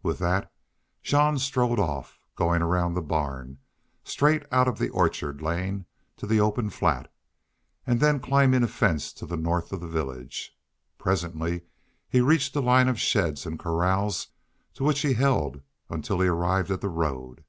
With that Jean strode off, going around the barn, straight out the orchard lane to the open flat, and then climbing a fence to the north of the village. Presently he reached a line of sheds and corrals, to which he held until he arrived at the road.